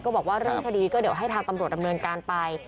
บอกว่าเรื่องคดีก็เดี๋ยวให้ทางตำรวจดำเนินการไป